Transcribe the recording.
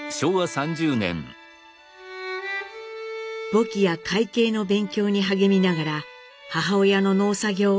簿記や会計の勉強に励みながら母親の農作業を手伝いました。